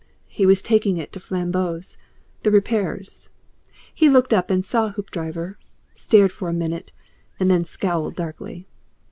He was taking it to Flambeau's, the repairer's. He looked up and saw Hoopdriver, stared for a minute, and then scowled darkly.